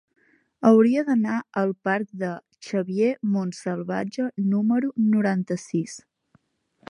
Hauria d'anar al parc de Xavier Montsalvatge número noranta-sis.